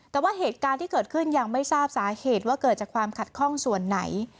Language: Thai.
แต่ว่าเหตุการณ์ที่เกิดขึ้นยังไม่ทราบสาเหตุว่าเกิดจากความขัดข้องส่วนไหน